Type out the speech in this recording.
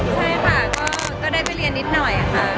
ใช่ค่ะก็ได้ไปเรียนนิดหน่อยค่ะ